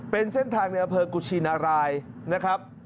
เป็นเส้นทางในอำเภอกุชินรายนะครับ